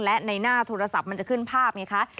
และในหน้าโทรศัพท์มันจะขึ้นภาพไงคะ